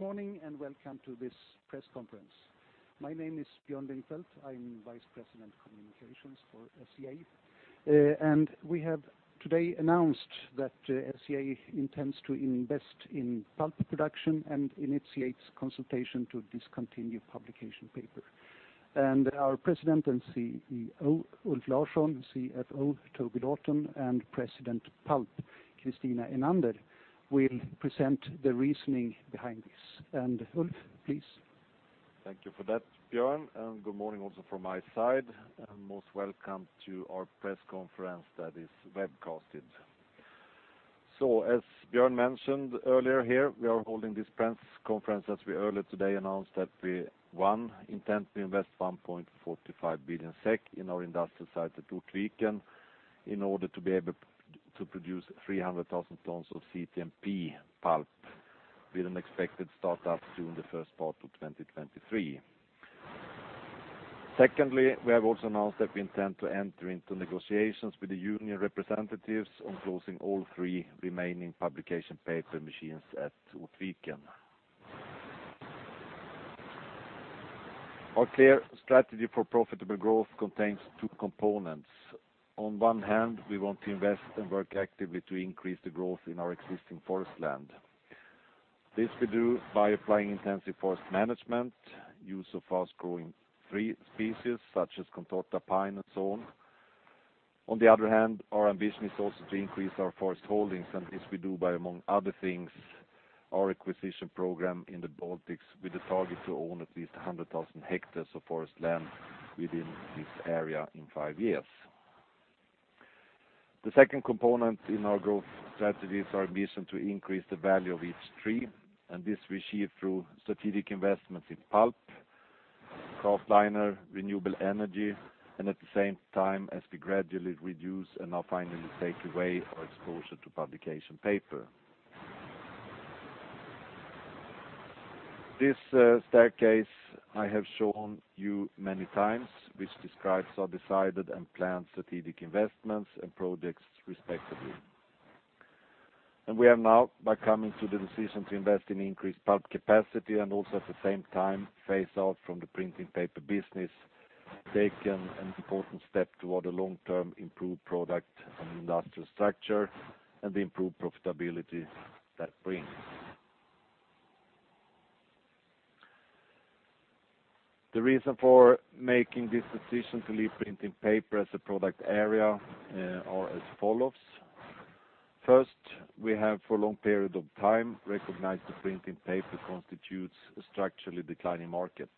Good morning, and welcome to this press conference. My name is Björn Lyngfelt. I'm Vice President of Communications for SCA. We have today announced that SCA intends to invest in pulp production and initiates consultation to discontinue publication paper. Our President and Chief Executive Officer, Ulf Larsson, Chief Financial Officer, Toby Lawton, and President of Pulp, Kristina Enander, will present the reasoning behind this. Ulf, please. Thank you for that, Björn. Good morning also from my side, most welcome to our press conference that is webcasted. As Björn mentioned earlier here, we are holding this press conference as we earlier today announced that we, one, intend to invest 1.45 billion SEK in our industrial site at Ortviken in order to be able to produce 300,000 tons of chemical thermomechanical pulp. pulp with an expected start-up during the first part of 2023. Secondly, we have also announced that we intend to enter into negotiations with the union representatives on closing all three remaining publication paper machines at Ortviken. Our clear strategy for profitable growth contains two components. On one hand, we want to invest and work actively to increase the growth in our existing forest land. This we do by applying intensive forest management, use of fast-growing tree species such as contorta pine and so on. On the other hand, our ambition is also to increase our forest holdings. This we do by, among other things, our acquisition program in the Baltics with a target to own at least 100,000 hectares of forest land within this area in five years. The second component in our growth strategy is our ambition to increase the value of each tree. This we achieve through strategic investments in pulp, kraftliner, renewable energy, at the same time as we gradually reduce and now finally take away our exposure to publication paper. This staircase I have shown you many times, which describes our decided and planned strategic investments and projects respectively. We have now, by coming to the decision to invest in increased pulp capacity and also at the same time phase out from the printing paper business, taken an important step toward a long-term improved product and industrial structure and the improved profitability that brings. The reason for making this decision to leave printing paper as a product area are as follows. First, we have for a long period of time recognized that printing paper constitutes a structurally declining market.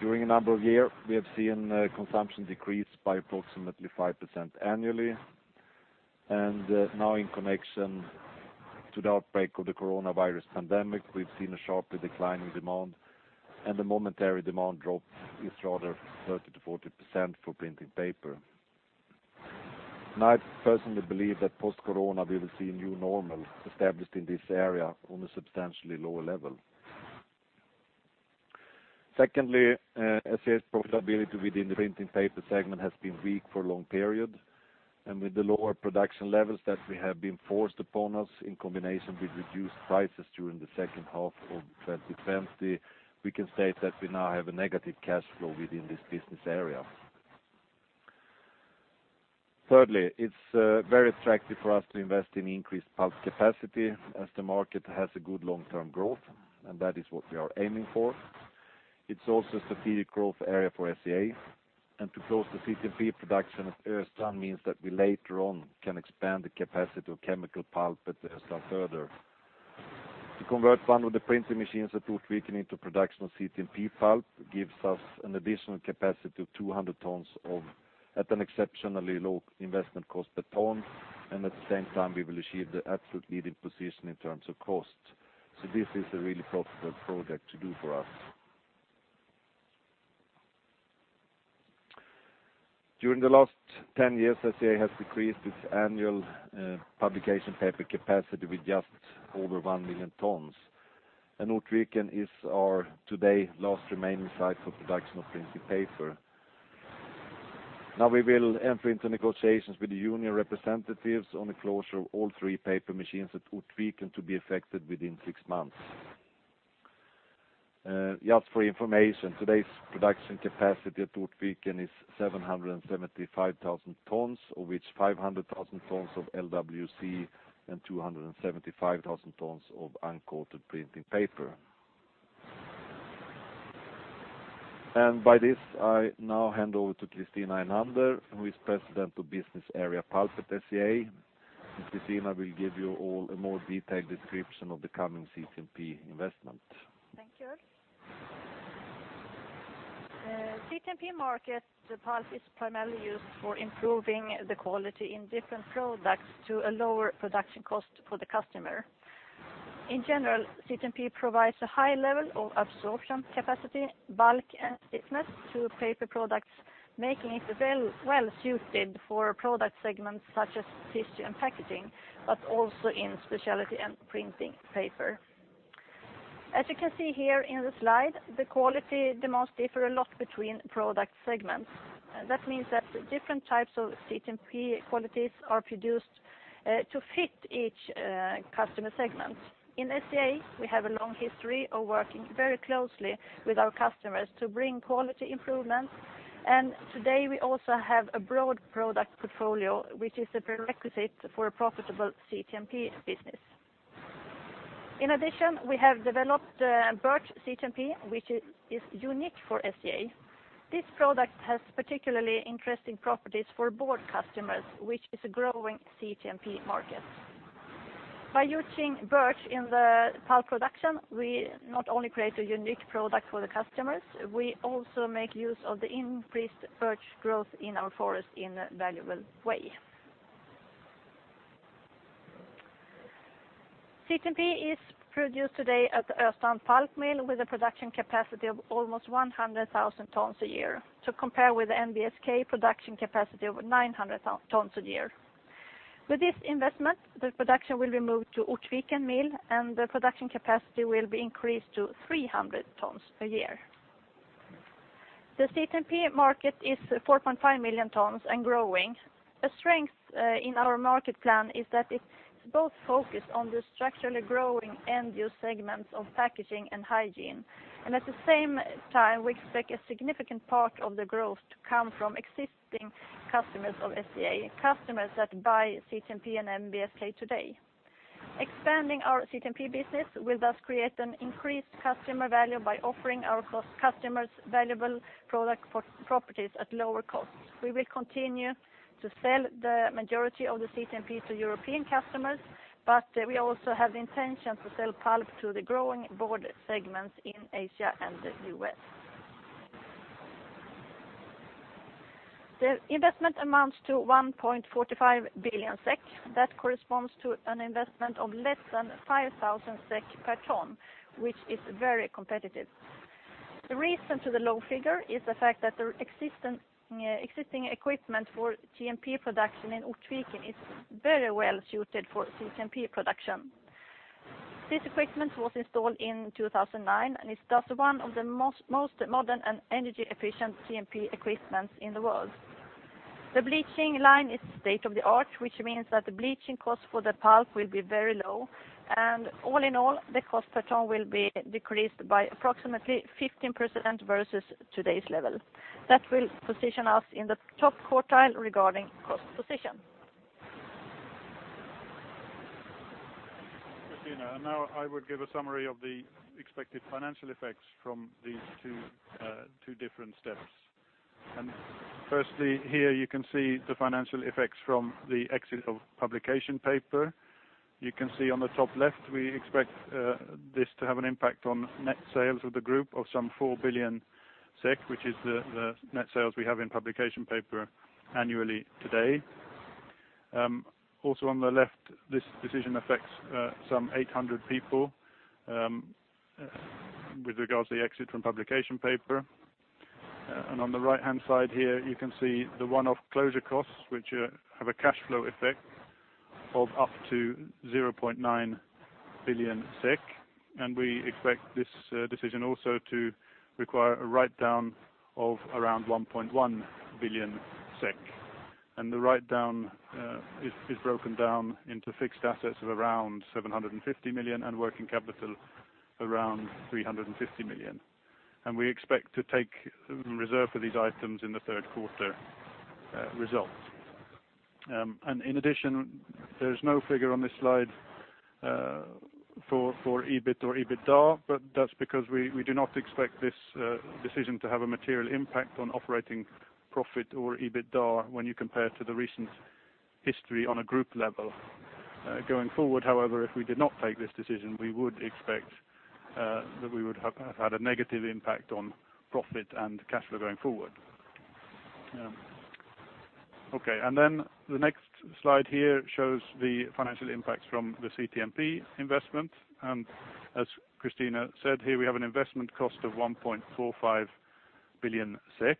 During a number of years, we have seen consumption decrease by approximately 5% annually, and now in connection to the outbreak of the coronavirus pandemic, we've seen a sharply declining demand, and the momentary demand drop is rather 30%-40% for printing paper. I personally believe that post-corona, we will see a new normal established in this area on a substantially lower level. Secondly, SCA's profitability within the printing paper segment has been weak for a long period, and with the lower production levels that have been forced upon us in combination with reduced prices during the second half of 2020, we can state that we now have a negative cash flow within this business area. Thirdly, it's very attractive for us to invest in increased pulp capacity as the market has a good long-term growth, and that is what we are aiming for. It's also a strategic growth area for SCA, and to close the CTMP production at Östrand means that we later on can expand the capacity of chemical pulp at Östrand further. To convert one of the printing machines at Ortviken into production of CTMP pulp gives us an additional capacity of 200,000 tons at an exceptionally low investment cost per ton, and at the same time, we will achieve the absolute leading position in terms of cost. This is a really profitable project to do for us. During the last 10 years, SCA has decreased its annual publication paper capacity with just over 1 million tons, and Ortviken is our today last remaining site for production of printing paper. We will enter into negotiations with the union representatives on the closure of all three paper machines at Ortviken to be effected within six months. Just for your information, today's production capacity at Ortviken is 775,000 tons, of which 500,000 tons of lightweight coated paper and 275,000 tons of uncoated printing paper. By this, I now hand over to Kristina Enander, who is President of Business Area Pulp at SCA, and Kristina will give you all a more detailed description of the coming CTMP investment. Thank you. CTMP market, the pulp is primarily used for improving the quality in different products to a lower production cost for the customer. In general, CTMP provides a high level of absorption capacity, bulk, and stiffness to paper products, making it well-suited for product segments such as tissue and packaging, but also in specialty and printing paper. As you can see here in the slide, the quality demands differ a lot between product segments. That means that different types of CTMP qualities are produced to fit each customer segment. In SCA, we have a long history of working very closely with our customers to bring quality improvements, and today we also have a broad product portfolio, which is a prerequisite for a profitable CTMP business. In addition, we have developed birch CTMP, which is unique for SCA. This product has particularly interesting properties for board customers, which is a growing CTMP market. By using birch in the pulp production, we not only create a unique product for the customers, we also make use of the increased birch growth in our forest in a valuable way. CTMP is produced today at the Östrand pulp mill with a production capacity of almost 100,000 tons a year. To compare with the NBSK production capacity of 900,000 tons a year. With this investment, the production will be moved to Ortviken mill, and the production capacity will be increased to 300,000 tons a year. The CTMP market is 4.5 million tons and growing. A strength in our market plan is that it's both focused on the structurally growing end-use segments of packaging and hygiene. At the same time, we expect a significant part of the growth to come from existing customers of SCA, customers that buy CTMP and northern bleached softwood kraft today. Expanding our CTMP business will thus create an increased customer value by offering our customers valuable product properties at lower costs. We will continue to sell the majority of the CTMP to European customers, but we also have the intention to sell pulp to the growing board segments in Asia and the U.S. The investment amounts to 1.45 billion SEK. That corresponds to an investment of less than 5,000 SEK per ton, which is very competitive. The reason for the low figure is the fact that the existing equipment for TMP production in Ortviken is very well suited for CTMP production. This equipment was installed in 2009, and it's thus one of the most modern and energy-efficient CTMP equipments in the world. The bleaching line is state of the art, which means that the bleaching cost for the pulp will be very low, and all in all, the cost per ton will be decreased by approximately 15% versus today's level. That will position us in the top quartile regarding cost position. Thank you, Kristina. Now I will give a summary of the expected financial effects from these two different steps. Firstly, here you can see the financial effects from the exit of publication paper. You can see on the top left, we expect this to have an impact on net sales of the group of some 4 billion SEK, which is the net sales we have in publication paper annually today. Also on the left, this decision affects some 800 people with regards to the exit from publication paper. On the right-hand side here, you can see the one-off closure costs, which have a cash flow effect of up to 0.9 billion SEK. We expect this decision also to require a write-down of around 1.1 billion SEK. The write-down is broken down into fixed assets of around 750 million and working capital around 350 million. We expect to take reserve for these items in the third quarter results. In addition, there's no figure on this slide for EBIT or EBITDA, but that's because we do not expect this decision to have a material impact on operating profit or EBITDA when you compare to the recent history on a group level. Going forward, however, if we did not take this decision, we would expect that we would have had a negative impact on profit and cash flow going forward. Okay. Then the next slide here shows the financial impacts from the CTMP investment. As Kristina said, here we have an investment cost of 1.45 billion SEK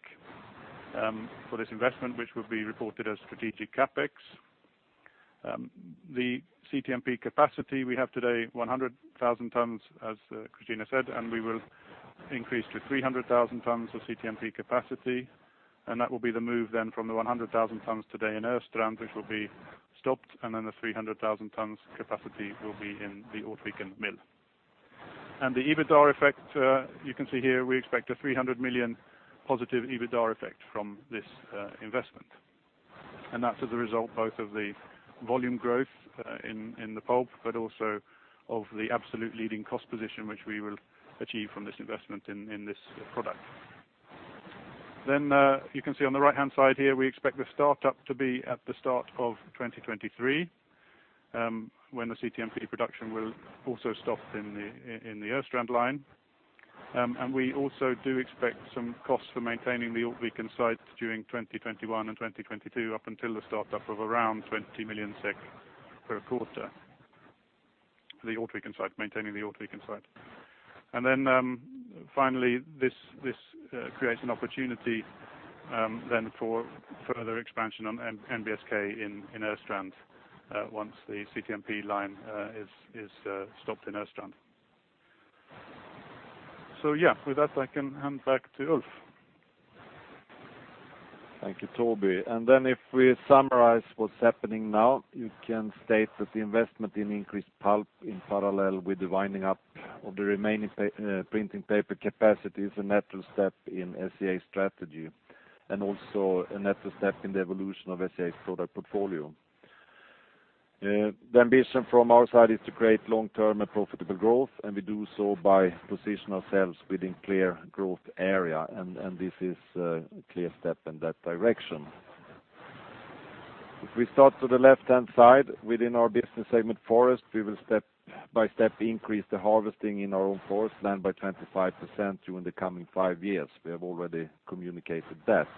for this investment, which would be reported as strategic CapEx. The CTMP capacity we have today, 100,000 tons, as Kristina said, and we will increase to 300,000 tons of CTMP capacity, and that will be the move then from the 100,000 tons today in Östrand, which will be stopped, and then the 300,000 tons capacity will be in the Ortviken mill. The EBITDA effect, you can see here, we expect a 300 million positive EBITDA effect from this investment. That's as a result both of the volume growth in the pulp, but also of the absolute leading cost position, which we will achieve from this investment in this product. You can see on the right-hand side here, we expect the start-up to be at the start of 2023, when the CTMP production will also stop in the Östrand line. We also do expect some costs for maintaining the Ortviken site during 2021 and 2022 up until the start-up of around 20 million SEK per quarter. The Ortviken site, maintaining the Ortviken site. Finally, this creates an opportunity for further expansion on NBSK in Östrand, once the CTMP line is stopped in Östrand. Yeah, with that, I can hand back to Ulf. Thank you, Toby. If we summarize what's happening now, you can state that the investment in increased pulp in parallel with the winding up of the remaining printing paper capacity is a natural step in SCA's strategy, and also a natural step in the evolution of SCA's product portfolio. The ambition from our side is to create long-term and profitable growth, and we do so by positioning ourselves within clear growth area, and this is a clear step in that direction. If we start to the left-hand side, within our business segment forest, we will step by step increase the harvesting in our own forest land by 25% during the coming five years. We have already communicated that.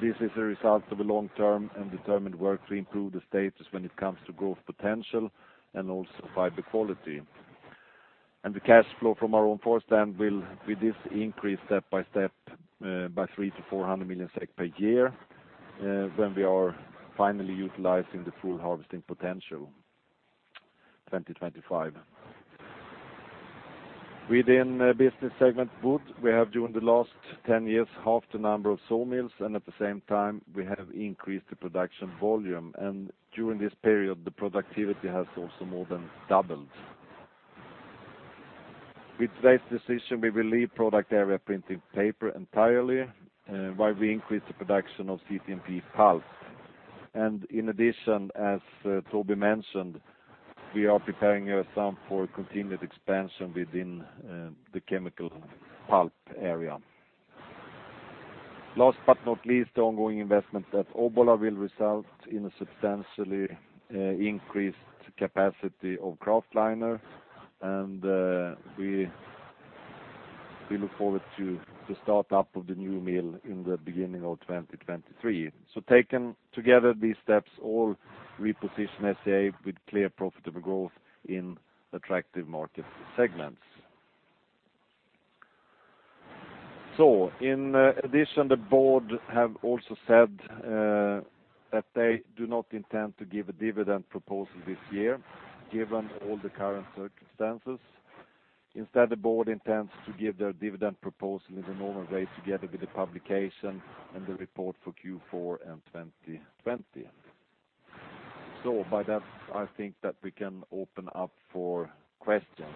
This is a result of a long-term and determined work to improve the status when it comes to growth potential and also fiber quality. The cash flow from our own forest land will, with this increase step by step, by 300 million-400 million SEK per year, when we are finally utilizing the full harvesting potential, 2025. Within business segment wood, we have during the last 10 years halved the number of sawmills, and at the same time, we have increased the production volume. During this period, the productivity has also more than doubled. With today's decision, we will leave product area printing paper entirely, while we increase the production of CTMP pulp. In addition, as Toby mentioned, we are preparing a sum for continued expansion within the chemical pulp area. Last but not least, the ongoing investment at Obbola will result in a substantially increased capacity of kraftliner, and we look forward to the startup of the new mill in the beginning of 2023. Taken together, these steps all reposition SCA with clear profitable growth in attractive market segments. In addition, the board have also said that they do not intend to give a dividend proposal this year, given all the current circumstances. Instead, the board intends to give their dividend proposal in the normal way, together with the publication and the report for Q4 and 2020. By that, I think that we can open up for questions.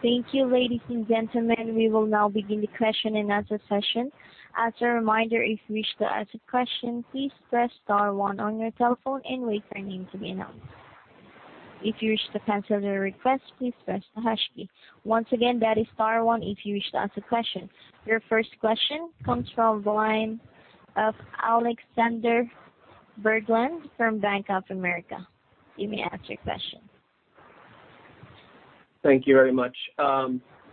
Thank you, ladies and gentlemen. We will now begin the question and answer session. As a reminder, if you wish to ask a question, please press star one on your telephone and wait for your name to be announced. If you wish to cancel your request, please press the hash key. Once again that is star one if you wish to ask a question. Your first question comes from the line of Alexander Berglund from Bank of America. You may ask your question. Thank you very much.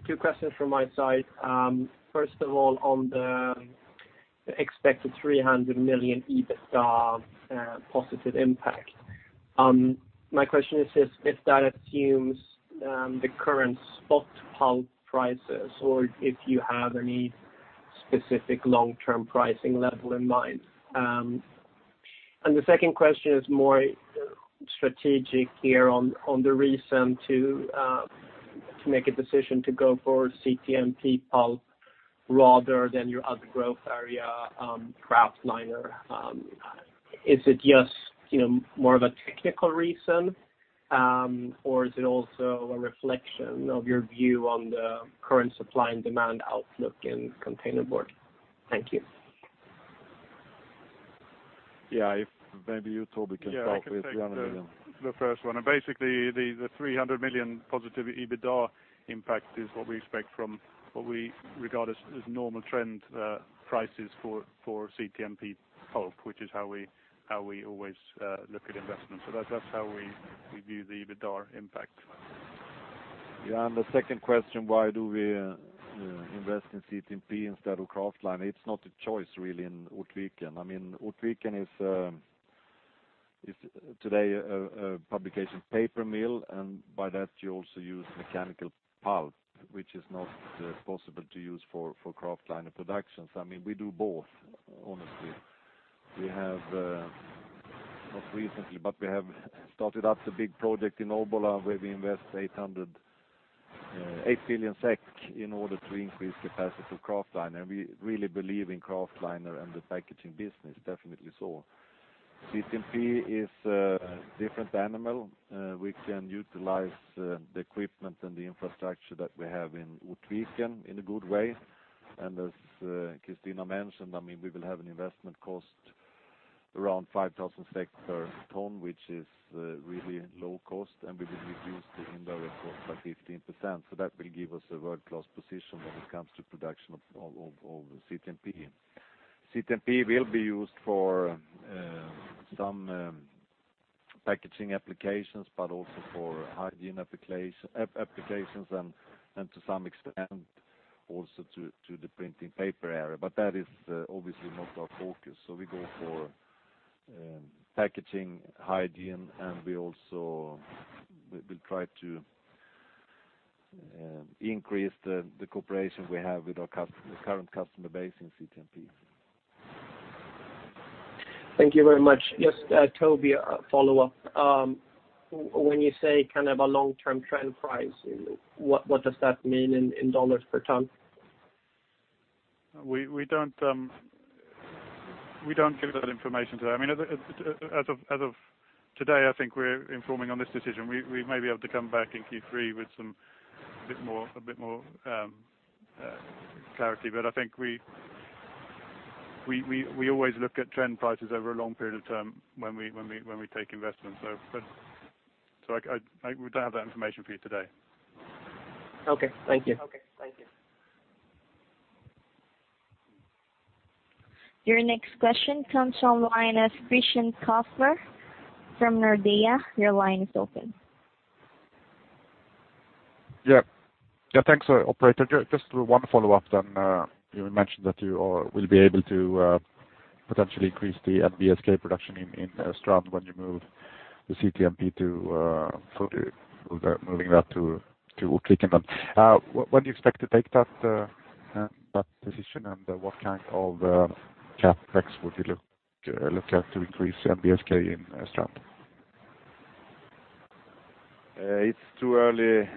Two questions from my side. First of all, on the expected 300 million EBITDA positive impact. My question is if that assumes the current spot pulp prices or if you have any specific long-term pricing level in mind? The second question is more strategic here on the reason to make a decision to go for CTMP pulp rather than your other growth area, kraftliner. Is it just more of a technical reason? Is it also a reflection of your view on the current supply and demand outlook in container board? Thank you. Yeah, if maybe you, Toby, can start with the 300 million. Yeah, I can take the first one. Basically, the 300 million positive EBITDA impact is what we expect from what we regard as normal trend prices for CTMP pulp, which is how we always look at investments. That's how we view the EBITDA impact. Yeah, the second question, why do we invest in CTMP instead of kraftliner? It's not a choice really in Ortviken. Ortviken is today a publication paper mill, and by that, you also use mechanical pulp, which is not possible to use for kraftliner productions. We do both, honestly. Not recently, but we have started up the big project in Obbola, where we invest 8 billion SEK in order to increase capacity of kraftliner. We really believe in kraftliner and the packaging business, definitely so. CTMP is a different animal. We can utilize the equipment and the infrastructure that we have in Ortviken in a good way. As Kristina mentioned, we will have an investment cost around 5,000 per ton, which is a really low cost, and we will reduce the indirect cost by 15%. That will give us a world-class position when it comes to production of CTMP. CTMP will be used for some packaging applications, but also for hygiene applications and to some extent, also to the printing paper area. That is obviously not our focus. We go for packaging, hygiene, and we also will try to increase the cooperation we have with our current customer base in CTMP. Thank you very much. Just, Toby, a follow-up. When you say a long-term trend price, what does that mean in dollars per ton? We don't give that information today. As of today, I think we're informing on this decision. We may be able to come back in Q3 with a bit more clarity. I think we always look at trend prices over a long period of term when we take investments. We don't have that information for you today. Okay, thank you. Your next question comes on the line of Christian Kopfer from Nordea. Your line is open. Yeah. Thanks, operator. Just one follow-up. You mentioned that you will be able to potentially increase the NBSK production in Östrand when you move the CTMP to Ortviken. When do you expect to take that position, and what kind of CapEx would you look at to increase NBSK in Östrand? It's too early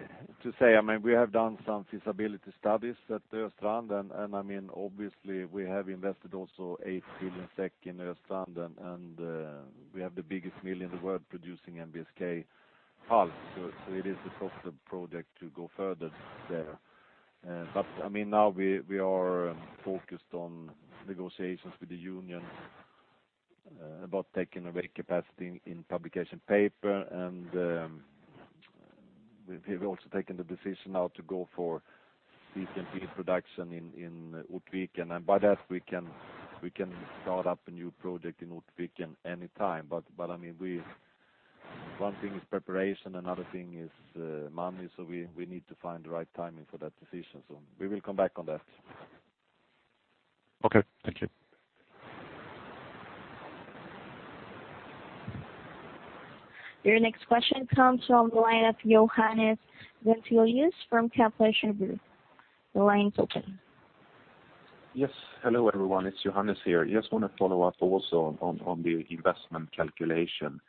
to say. We have done some feasibility studies at Östrand, and obviously we have invested also 8 billion SEK in Östrand, and we have the biggest mill in the world producing NBSK pulp. It is a possible project to go further there. Now we are focused on negotiations with the union about taking away capacity in publication paper. We've also taken the decision now to go for CTMP production in Ortviken. By that, we can start up a new project in Ortviken anytime. One thing is preparation, another thing is money. We need to find the right timing for that decision. We will come back on that. Okay, thank you. Your next question comes from the line of Johannes Ventilias from Capital Group. The line's open. Yes. Hello, everyone. It's Johannes here. Just want to follow up also on the investment calculation.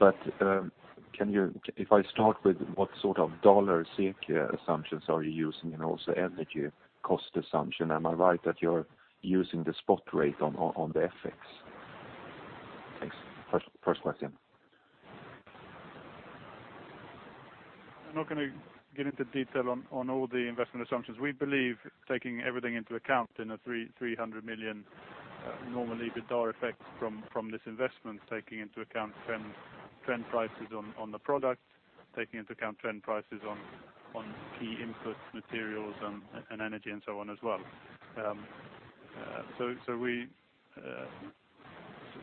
If I start with what sort of USD SEK assumptions are you using, and also energy cost assumption, am I right that you're using the spot rate on the FX? Thanks. First question. I'm not going to get into detail on all the investment assumptions. We believe taking everything into account in a 300 million normally EBITDA effects from this investment, taking into account trend prices on the product, taking into account trend prices on key input materials and energy and so on as well.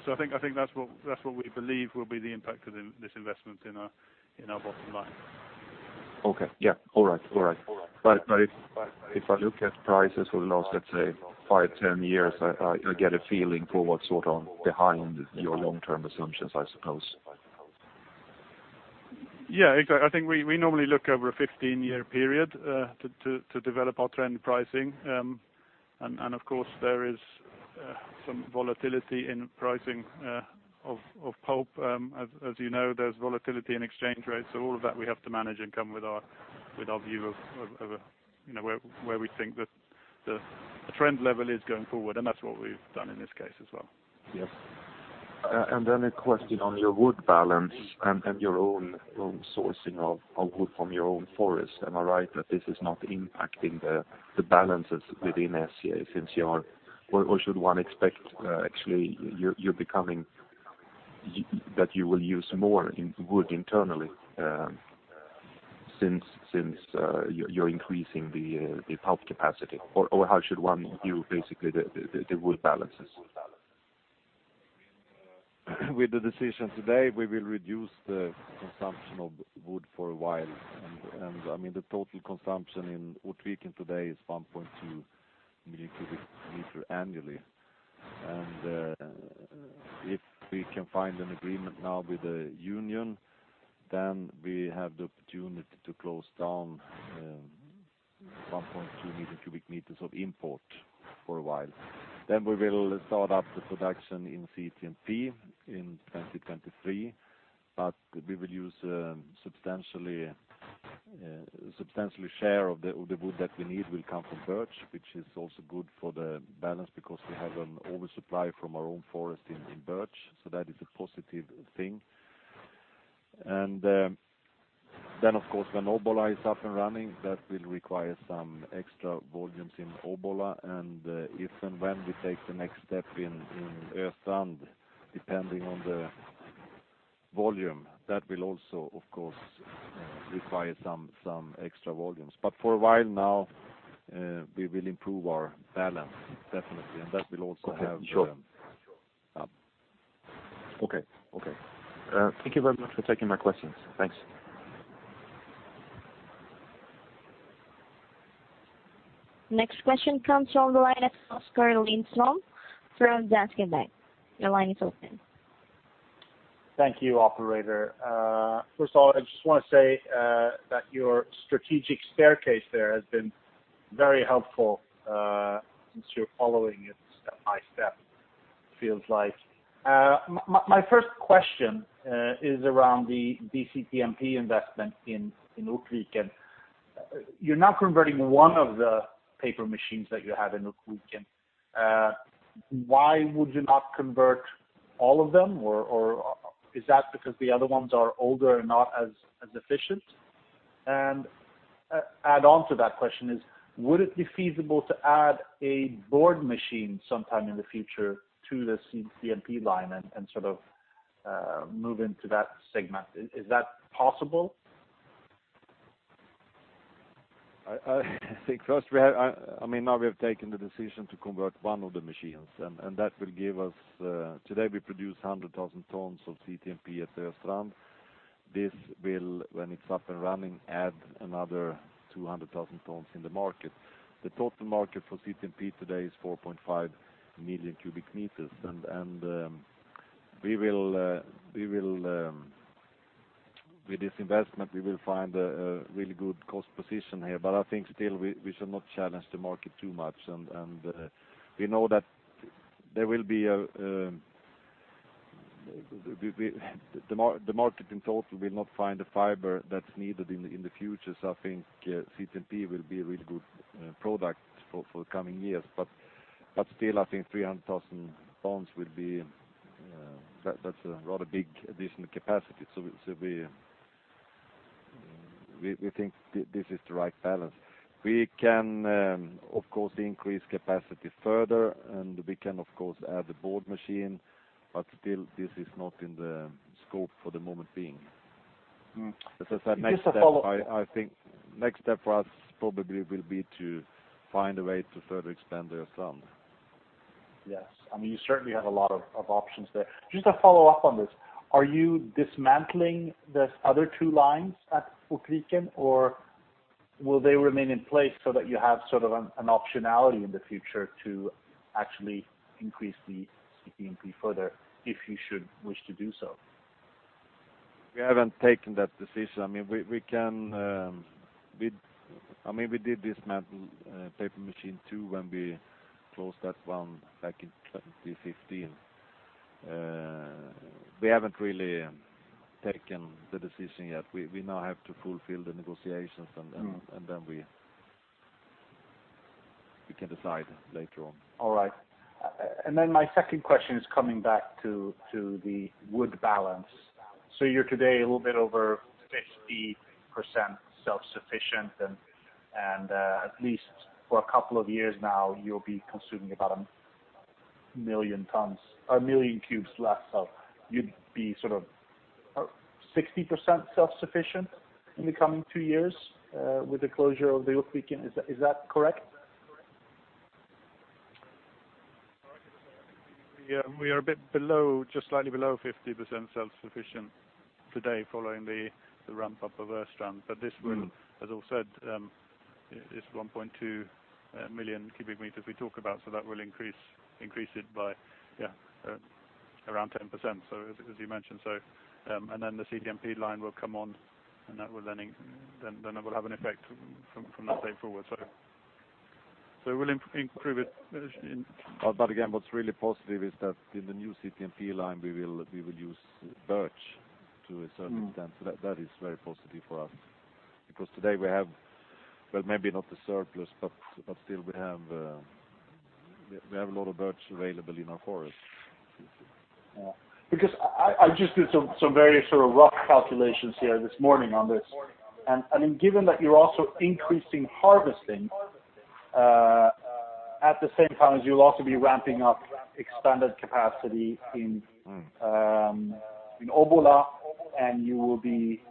I think that's what we believe will be the impact of this investment in our bottom line. Okay. Yeah. All right. If I look at prices for the last, let's say, five, 10 years, I get a feeling for what's sort of behind your long-term assumptions, I suppose. Yeah, exactly. I think we normally look over a 15-year period to develop our trend pricing. Of course, there is some volatility in pricing of pulp. As you know, there's volatility in exchange rates. All of that we have to manage and come with our view of where we think that the trend level is going forward, and that's what we've done in this case as well. Yes. A question on your wood balance and your own sourcing of wood from your own forest. Am I right that this is not impacting the balances within SCA? Should one expect, actually, that you will use more wood internally since you're increasing the pulp capacity? How should one view basically the wood balances? With the decision today, we will reduce the consumption of wood for a while. The total consumption in Ortviken today is 1.2 million cu m annually. If we can find an agreement now with the union, we have the opportunity to close down 1.2 million cu m of import for a while. We will start up the production in CTMP in 2023, but we will use substantially share of the wood that we need will come from birch, which is also good for the balance because we have an oversupply from our own forest in birch. That is a positive thing. Of course, when Obbola is up and running, that will require some extra volumes in Obbola. If and when we take the next step in Östrand, depending on the volume, that will also, of course, require some extra volumes. For a while now, we will improve our balance, definitely. Okay. Sure. Okay. Thank you very much for taking my questions. Thanks. Next question comes on the line from Oskar Lindström from Danske Bank. Your line is open. Thank you, operator. First of all, I just want to say that your strategic staircase there has been very helpful, since you're following it step by step, feels like. My first question is around the CTMP investment in Ortviken. You're now converting one of the paper machines that you have in Ortviken. Why would you not convert all of them? Is that because the other ones are older and not as efficient? Add on to that question is, would it be feasible to add a board machine sometime in the future to the CTMP line and sort of move into that segment? Is that possible? I think first, now we have taken the decision to convert one of the machines. Today we produce 100,000 tons of CTMP at Östrand. This will, when it's up and running, add another 200,000 tons in the market. The total market for CTMP today is 4.5 million cu m. With this investment, we will find a really good cost position here. I think still we should not challenge the market too much. We know that the market in total will not find the fiber that's needed in the future. I think CTMP will be a really good product for the coming years. Still, I think 300,000 tons, that's a rather big additional capacity. We think this is the right balance. We can, of course, increase capacity further, and we can of course add the board machine, but still this is not in the scope for the moment being. Just a follow up. As I said, I think next step for us probably will be to find a way to further expand Oskar. Yes. You certainly have a lot of options there. Just to follow up on this, are you dismantling the other two lines at Ortviken or will they remain in place so that you have sort of an optionality in the future to actually increase the CTMP further if you should wish to do so? We haven't taken that decision. We did dismantle paper machine two when we closed that one back in 2015. We haven't really taken the decision yet. We now have to fulfill the negotiations, and then we can decide later on. All right. My second question is coming back to the wood balance. You're today a little bit over 50% self-sufficient and at least for a couple of years now, you'll be consuming about 1 million cu less. You'd be sort of 60% self-sufficient in the coming two years, with the closure of the Ortviken. Is that correct? We are a bit below, just slightly below 50% self-sufficient today following the ramp-up of Östrand. This will, as Ulf said, is 1.2 million cu m we talk about. That will increase it by around 10%. As you mentioned. The CTMP line will come on, and then that will have an effect from that day forward. We'll improve it in. Again, what's really positive is that in the new CTMP line, we will use birch to a certain extent. That is very positive for us, because today we have, well, maybe not the surplus, but still we have a lot of birch available in our forest. Yeah. I just did some very sort of rough calculations here this morning on this. Given that you're also increasing harvesting, at the same time as you'll also be ramping up expanded capacity in Obbola, and you will be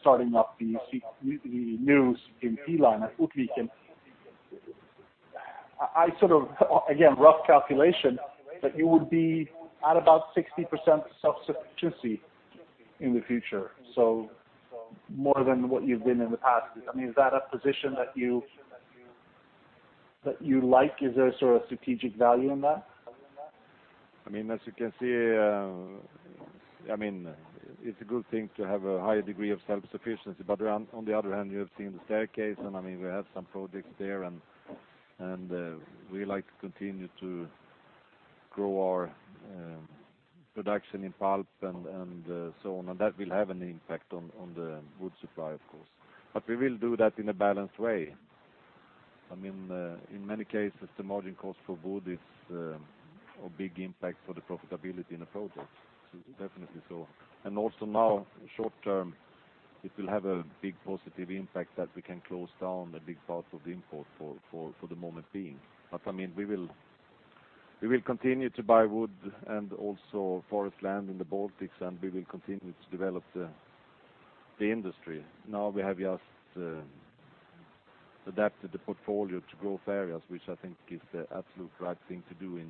starting up the new CTMP line at Ortviken. I sort of, again, rough calculation, but you would be at about 60% self-sufficiency in the future, so more than what you've been in the past. Is that a position that you like? Is there a sort of strategic value in that? As you can see, it's a good thing to have a higher degree of self-sufficiency. On the other hand, you have seen the staircase and we have some projects there and we like to continue to grow our production in pulp and so on. That will have an impact on the wood supply, of course. We will do that in a balanced way. In many cases, the margin cost for wood is a big impact for the profitability in a project. Definitely so. Also now, short term, it will have a big positive impact that we can close down a big part of the import for the moment being. We will continue to buy wood and also forest land in the Baltics, and we will continue to develop the industry. We have just adapted the portfolio to growth areas, which I think is the absolute right thing to do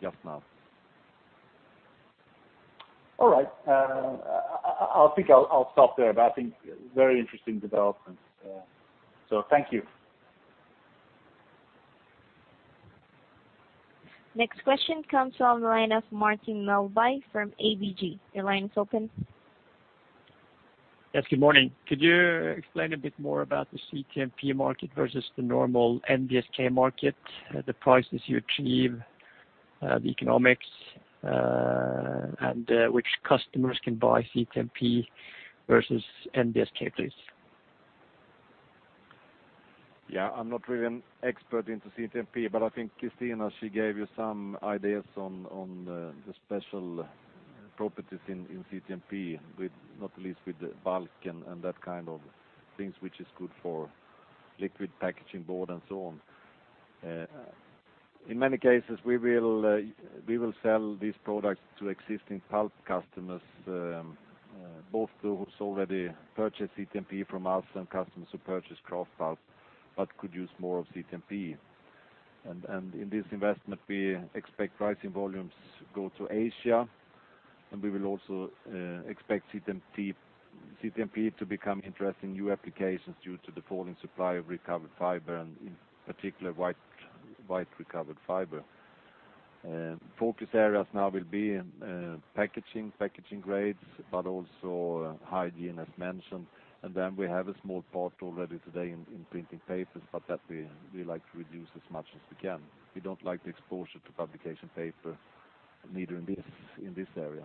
just now. All right. I think I'll stop there, but I think very interesting developments. Thank you. Next question comes from the line of Martin Melbye from ABG. Your line is open. Yes, good morning. Could you explain a bit more about the CTMP market versus the normal NBSK market, the prices you achieve, the economics, and which customers can buy CTMP versus NBSK, please? Yeah, I'm not really an expert into CTMP, but I think Kristina, she gave you some ideas on the special properties in CTMP with not least with the bulk and that kind of things, which is good for liquid packaging board and so on. In many cases, we will sell these products to existing pulp customers, both those who already purchase CTMP from us and customers who purchase kraft pulp but could use more of CTMP. In this investment, we expect rising volumes go to Asia, and we will also expect CTMP to become interesting new applications due to the falling supply of recovered fiber and in particular, white recovered fiber. Focus areas now will be in packaging grades, but also hygiene as mentioned. We have a small part already today in printing papers, but that we like to reduce as much as we can. We don't like the exposure to publication paper neither in this area.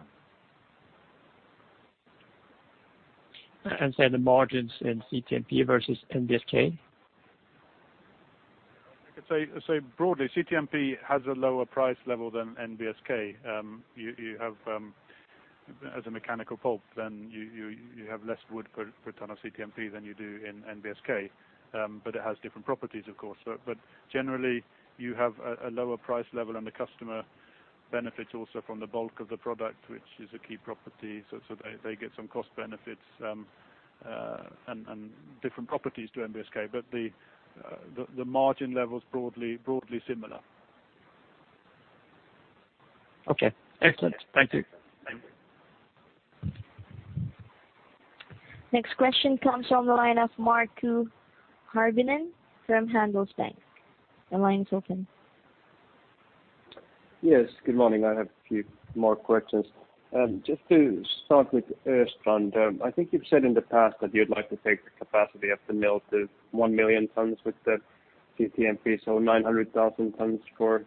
Say the margins in CTMP versus NBSK? I could say broadly CTMP has a lower price level than NBSK. You have as a mechanical pulp, then you have less wood per ton of CTMP than you do in NBSK. It has different properties, of course. Generally, you have a lower price level and the customer benefits also from the bulk of the product, which is a key property. They get some cost benefits, and different properties to NBSK, but the margin level is broadly similar. Okay, excellent. Thank you. Next question comes from the line of Markku Järvinen from Handelsbanken. The line is open. Yes, good morning. I have a few more questions. Just to start with Östrand. I think you've said in the past that you'd like to take the capacity of the mill to 1 million tons with the CTMP, so 900,000 tons for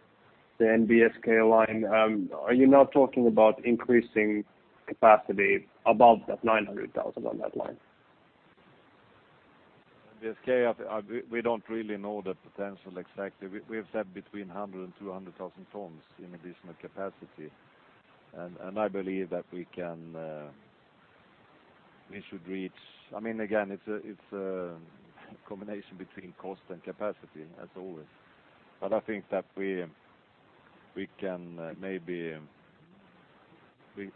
the NBSK line. Are you now talking about increasing capacity above that 900,000 on that line? NBSK, we don't really know the potential exactly. We have said between 100,000 and 200,000 tons in additional capacity. I believe that we should reach, again, it's a combination between cost and capacity as always. I think that we can maybe do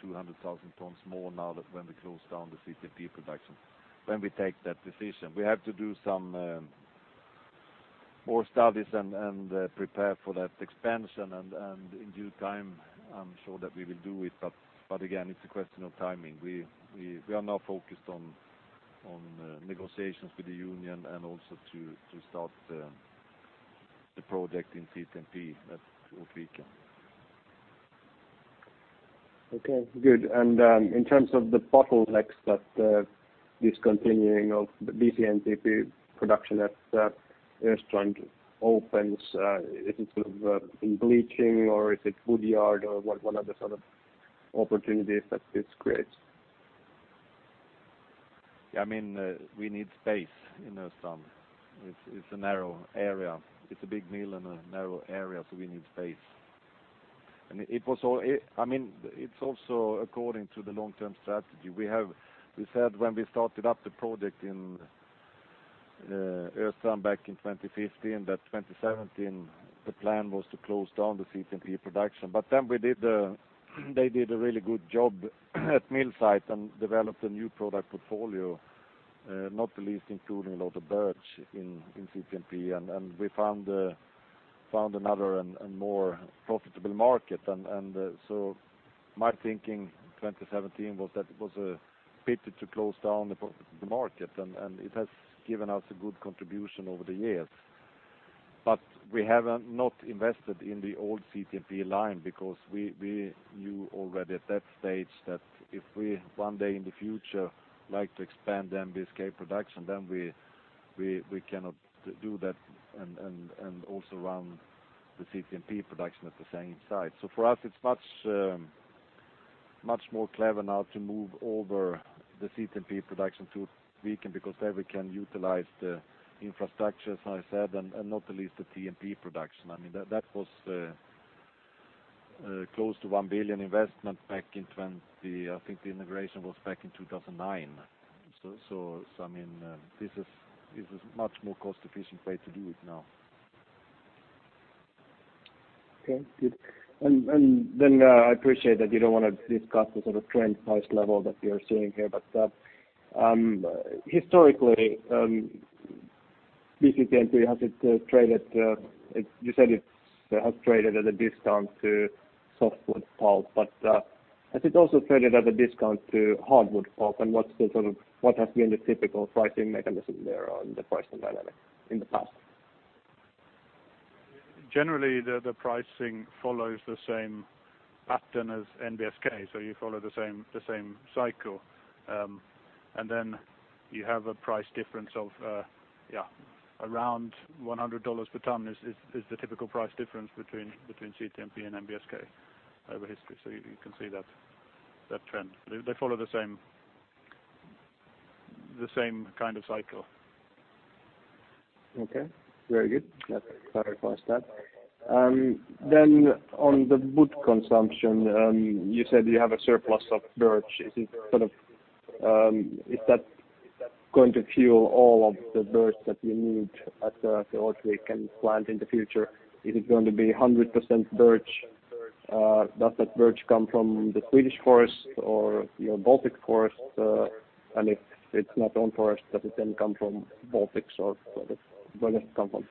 200,000 tons more now that when we close down the CTMP production, when we take that decision. We have to do some more studies and prepare for that expansion, and in due time, I'm sure that we will do it. Again, it's a question of timing. We are now focused on negotiations with the union and also to start the project in CTMP at Ortviken. Okay, good. In terms of the bottlenecks that discontinuing of the CTMP production at Östrand opens, is it sort of in bleaching or is it wood yard or what are the sort of opportunities that this creates? We need space in Östrand. It's a narrow area. It's a big mill in a narrow area, so we need space. It's also according to the long-term strategy. We said when we started up the project in Östrand back in 2015, that 2017 the plan was to close down the CTMP production. They did a really good job at mill site and developed a new product portfolio, not the least including a lot of birch in CTMP, and we found another and more profitable market. My thinking in 2017 was that it was a pity to close down the market, and it has given us a good contribution over the years. We have not invested in the old CTMP line because we knew already at that stage that if we one day in the future like to expand the NBSK production, then we cannot do that and also run the CTMP production at the same site. For us, it's much more clever now to move over the CTMP production to Viken because there we can utilize the infrastructure, as I said, and not the least the TMP production. That was close to 1 billion investment back in, I think the integration was back in 2009. This is much more cost efficient way to do it now. Okay, good. I appreciate that you don't want to discuss the sort of trend price level that we are seeing here. Historically CTMP has it traded, you said it has traded at a discount to softwood pulp, has it also traded at a discount to hardwood pulp? What has been the typical pricing mechanism there or the pricing dynamic in the past? Generally, the pricing follows the same pattern as NBSK, so you follow the same cycle. You have a price difference of around SEK 100 per ton is the typical price difference between CTMP and NBSK over history. You can see that trend. They follow the same kind of cycle. Okay. Very good. Let's clarify that. On the wood consumption, you said you have a surplus of birch. Is that going to fuel all of the birch that you need at the Ortviken plant in the future? Is it going to be 100% birch? Does that birch come from the Swedish forest or your Baltic forest? If it's not own forest, does it come from Baltics or where does it come from?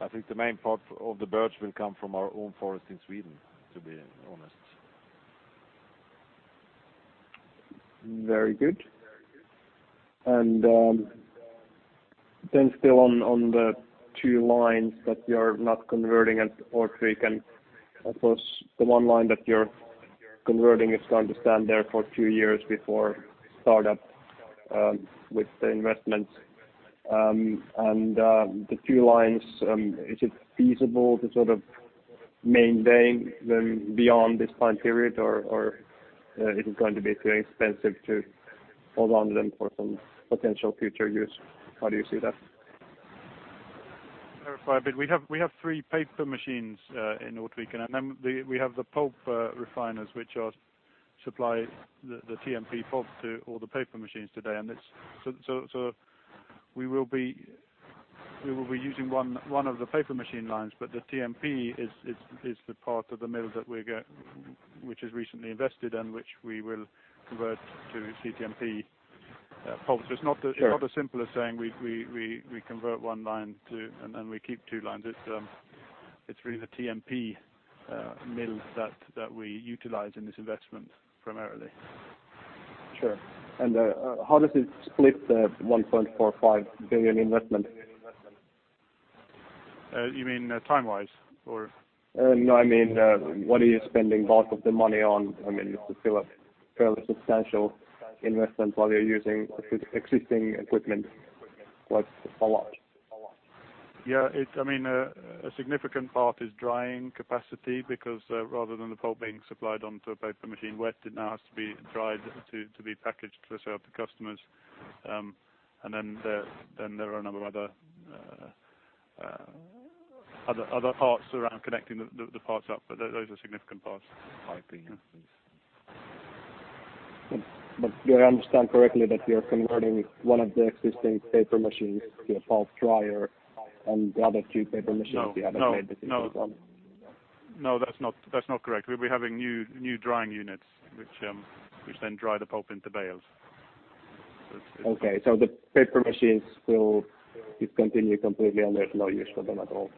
I think the main part of the birch will come from our own forest in Sweden, to be honest. Very good. Still on the two lines that you are not converting at Ortviken. Of course, the one line that you're converting is going to stand there for two years before start up with the investments. The two lines, is it feasible to sort of maintain them beyond this time period, or it is going to be too expensive to hold on to them for some potential future use? How do you see that? Clarify a bit. We have three paper machines in Ortviken, and then we have the pulp refiners, which supply the TMP pulp to all the paper machines today. We will be using one of the paper machine lines, but the TMP is the part of the mill which is recently invested, and which we will convert to CTMP pulp. It's not as simple as saying we convert one line and we keep two lines. It's really the TMP mill that we utilize in this investment primarily. Sure. How does it split the 1.45 billion investment? You mean time-wise? No, I mean, what are you spending bulk of the money on? It's still a fairly substantial investment while you're using existing equipment. What's the fallout? Yeah. A significant part is drying capacity because rather than the pulp being supplied onto a paper machine wet, it now has to be dried to be packaged for sale to customers. There are a number of other parts around connecting the parts up. Those are significant parts. Do I understand correctly that you're converting one of the existing paper machines to a pulp dryer and the other two paper machines you haven't made decisions on? No, that's not correct. We'll be having new drying units, which then dry the pulp into bales. The paper machines will discontinue completely, and there's no use for them at all.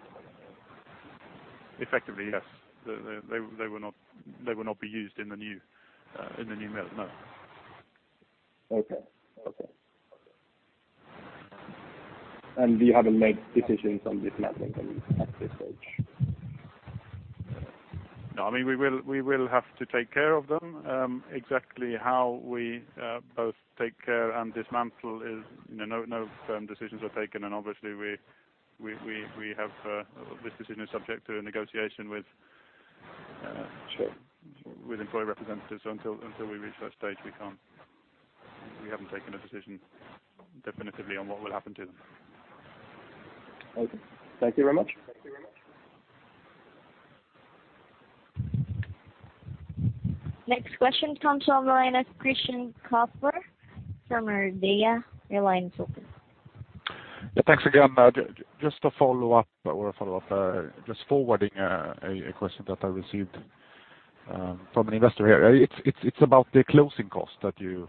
Effectively, yes. They will not be used in the new mill, no. Okay. You haven't made decisions on dismantling them at this stage? No, we will have to take care of them. Exactly how we both take care and dismantle is no firm decisions are taken, and obviously this decision is subject to a negotiation with employee representatives. Until we reach that stage, we haven't taken a decision definitively on what will happen to them. Okay. Thank you very much. Next question comes on the line is Christian Kopfer from Nordea. Your line is open. Yeah, thanks again. Just a follow-up or a follow-up, just forwarding a question that I received from an investor here. It's about the closing cost that you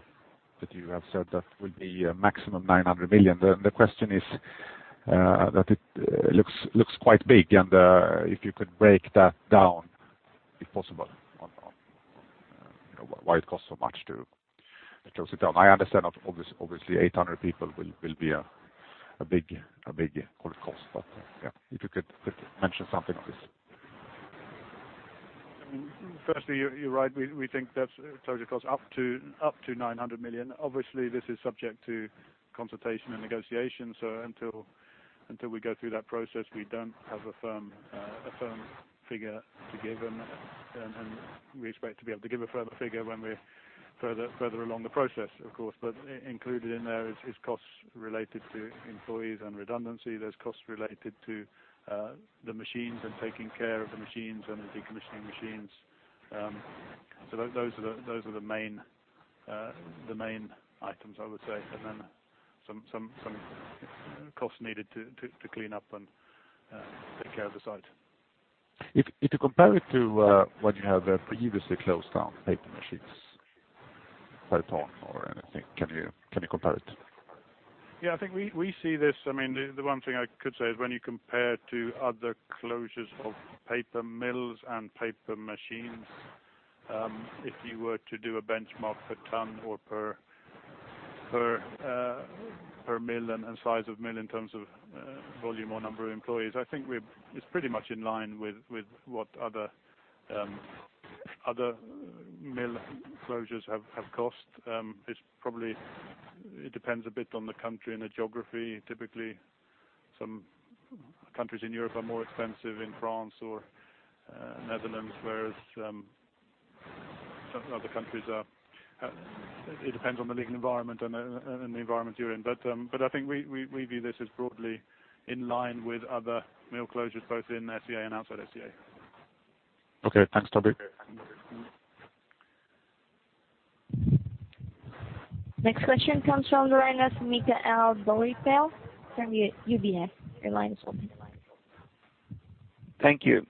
have said that will be maximum 900 million. The question is that it looks quite big, and if you could break that down, if possible, on why it costs so much to close it down. I understand obviously 800 people will be a big cost. Yeah, if you could mention something on this. Firstly, you're right. We think that closing cost up to 900 million. This is subject to consultation and negotiation. Until we go through that process, we don't have a firm figure to give, and we expect to be able to give a firm figure when we're further along the process, of course. Included in there is costs related to employees and redundancy. There's costs related to the machines and taking care of the machines and the decommissioning machines. Those are the main items, I would say. Some costs needed to clean up and take care of the site. If you compare it to what you have previously closed down paper machines per ton or anything? Can you compare it? Yeah, I think we see this. The one thing I could say is when you compare to other closures of paper mills and paper machines, if you were to do a benchmark per ton or per mill and size of mill in terms of volume or number of employees, I think it's pretty much in line with what other mill closures have cost. It depends a bit on the country and the geography. Typically, some countries in Europe are more expensive, in France or Netherlands, whereas some other countries. It depends on the legal environment and the environment you're in. I think we view this as broadly in line with other mill closures, both in SCA and outside SCA. Okay, thanks, Toby. Next question comes from Cole Hathorn from Jefferies. Your line is open. Thank you.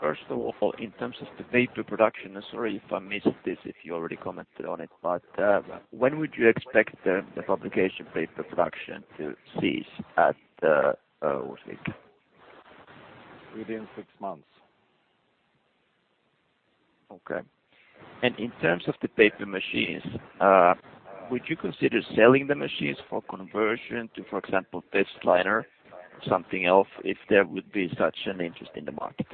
First of all, in terms of the paper production, sorry if I missed this, if you already commented on it, but when would you expect the publication paper production to cease at the Ortviken? Within six months. Okay. In terms of the paper machines, would you consider selling the machines for conversion to, for example, testliner or something else, if there would be such an interest in the market?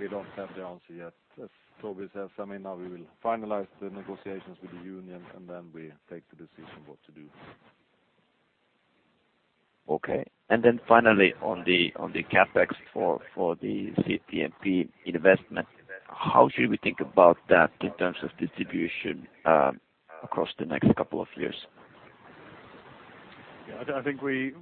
We don't have the answer yet. As Toby says, now we will finalize the negotiations with the union, and then we take the decision what to do. Finally, on the CapEx for the CTMP investment, how should we think about that in terms of distribution across the next couple of years? I think we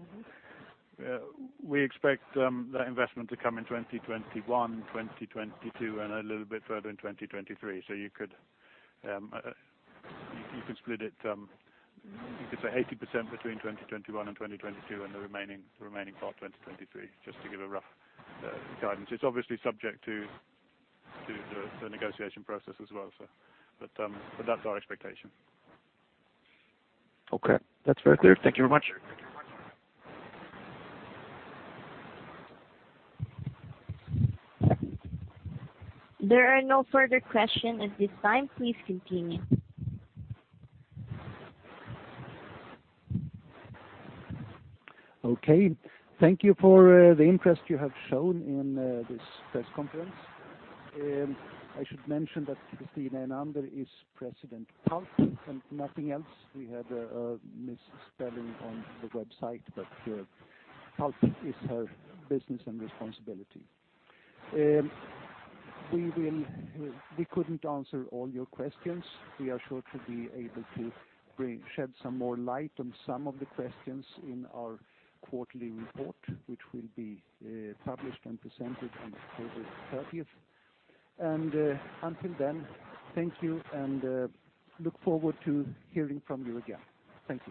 expect the investment to come in 2021, 2022, and a little bit further in 2023. You could split it, you could say 80% between 2021 and 2022, and the remaining part 2023, just to give a rough guidance. It's obviously subject to the negotiation process as well, but that's our expectation. Okay. That's very clear. Thank you very much. There are no further question at this time. Please continue. Okay. Thank you for the interest you have shown in this press conference. I should mention that Kristina Enander is President Pulp and nothing else. We had a misspelling on the website, but Pulp is her business and responsibility. We couldn't answer all your questions. We are sure to be able to shed some more light on some of the questions in our quarterly report, which will be published and presented on April 30th. Until then, thank you and look forward to hearing from you again. Thank you.